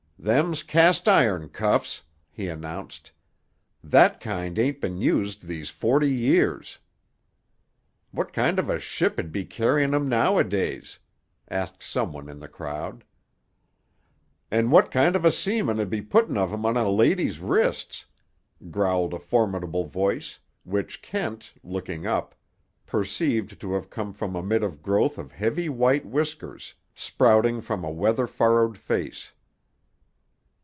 "Them's cast iron cuffs," he announced. "That kind ain't been used these forty years." "What kind of a ship 'ud be carryin' 'em nowadays?" asked some one in the crowd. "An' what kind of a seaman'd be putting of 'em on a lady's wrists?" growled a formidable voice, which Kent, looking up, perceived to have come from amid a growth of heavy white whiskers, sprouting from a weather furrowed face.